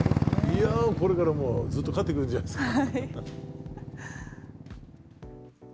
いやこれからもうずっと勝ってくるんじゃないですか。